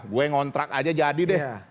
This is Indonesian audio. gue ngontrak aja jadi deh